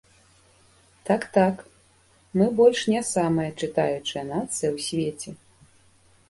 Так-так, мы больш не самая чытаючая нацыя ў свеце.